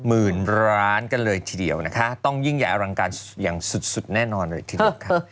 หมื่นร้านกันเลยทีเดียวนะคะต้องยิ่งใหญ่อลังการอย่างสุดแน่นอนเลยทีเดียวค่ะ